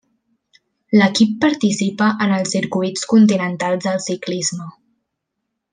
L'equip participa en els Circuits continentals de ciclisme.